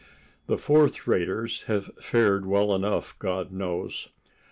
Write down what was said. The fourth raters have fared well enough, God knows.